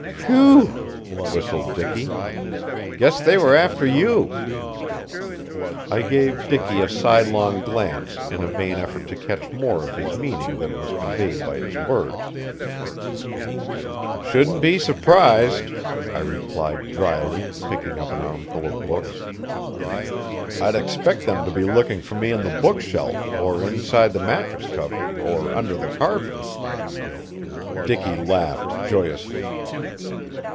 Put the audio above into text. "Whew!" whistled Dicky. "Guess they were after you." I gave Dicky a sidelong glance in a vain effort to catch more of his meaning than was conveyed by his words. "Shouldn't be surprised," I replied dryly, picking up an armful of books. "I'd expect them to be looking for me in the book shelf, or inside the mattress cover, or under the carpet." Dicky laughed joyously.